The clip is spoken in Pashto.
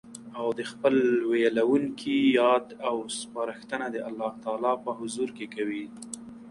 او د خپل ويلوونکي ياد او سپارښتنه د الله تعالی په حضور کي کوي